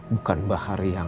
bukan bahar yang